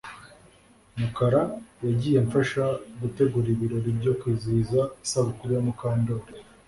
Mukara yagiye amfasha gutegura ibirori byo kwizihiza isabukuru ya Mukandoli